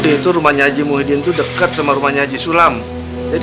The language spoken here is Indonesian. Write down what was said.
disirai pengelak ya